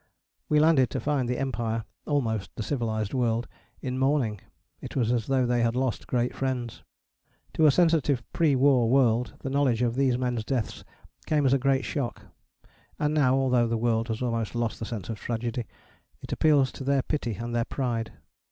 We landed to find the Empire almost the civilized world in mourning. It was as though they had lost great friends. To a sensitive pre war world the knowledge of these men's deaths came as a great shock: and now, although the world has almost lost the sense of tragedy, it appeals to their pity and their pride.